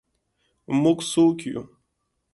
موږ څوک یو؟